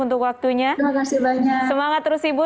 untuk waktunya semangat terus ibu